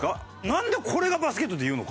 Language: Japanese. なんでこれが「バスケット」って言うのか。